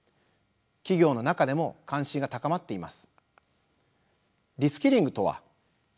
企業の中でも関心が高まっています。